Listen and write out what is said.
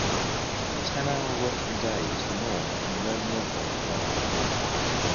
A ten-hour working day was the norm and no meal breaks were allowed.